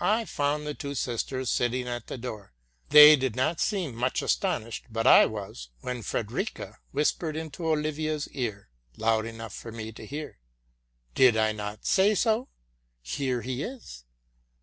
I found the two sisters sit ting at the door. They did not seem much astonished ; but I was, when Frederica whispered into Olivia's ear, loud enough for me to hear, '' Did I not sayso? Here heis!